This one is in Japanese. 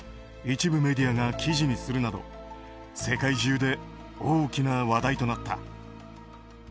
一部メディアが記事にするなど世界中で大きな話題となった。